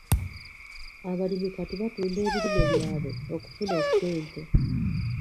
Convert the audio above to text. Abalimi kati batunda ebirime byabwe okufuna ssente.